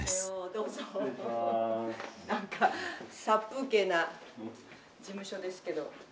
なんか殺風景な事務所ですけど。